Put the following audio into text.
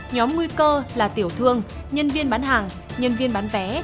nhóm nguy cơ là tiểu thương nhân viên bán hàng nhân viên bán vé